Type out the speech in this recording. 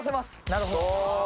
なるほど。